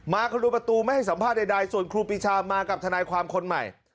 คนดูประตูไม่ให้สัมภาษณ์ใดส่วนครูปีชามากับทนายความคนใหม่